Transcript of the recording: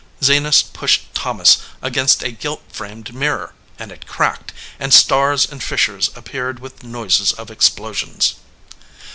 Zenas pushed Thomas against a gilt framed mirror, and it cracked, and stars and fiz zures appeared with noises of explosions.